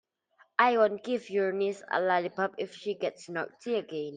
I won't give your niece a lollipop if she gets naughty again.